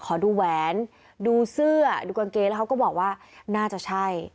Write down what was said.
ขอดูแหวนดูเสื้อดูกางเกงแล้วเขาก็บอกว่าน่าจะใช่